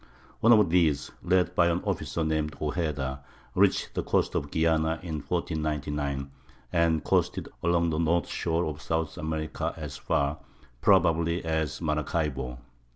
One of these, led by an officer named Ojeda, reached the coast of Guiana in 1499, and coasted along the north shore of South America as far, probably, as Maracaibo.